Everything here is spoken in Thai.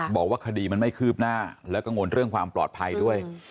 บอกว่าคดีมันไม่คืบหน้าและกังวลเรื่องความปลอดภัยด้วย